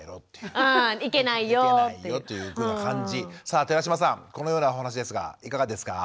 さあ寺島さんこのようなお話ですがいかがですか？